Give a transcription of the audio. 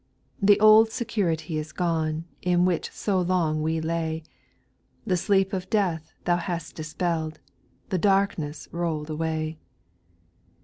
3. The old security is gone, In which so long we lay ; The sleep of death Thou hast dispelled, The darkness rolled away.